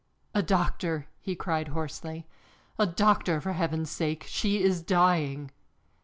"A doctor!" he cried hoarsely. "A doctor, for Heaven's sake! She is dying!"